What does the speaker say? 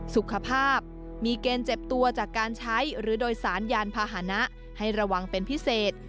สุขภาพมีเกณฑ์เจ็บตัวจากการใช้หรือโดยสารยานพาหนะให้ระวังเป็นพิเศษ